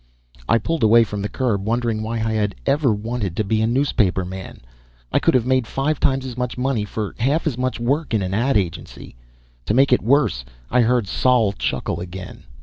I pulled away from the curb, wondering why I had ever wanted to be a newspaperman; I could have made five times as much money for half as much work in an ad agency. To make it worse, I heard Sol chuckle again.